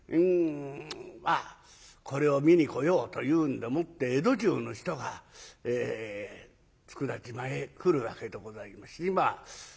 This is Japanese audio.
まあこれを見に来ようというんでもって江戸中の人が佃島へ来るわけでございます。